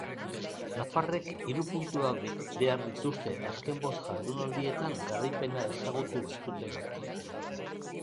Nafarrek hiru puntuak behar dituzte, azken bost jardunaldietan garaipena ezagutu ez dutelako.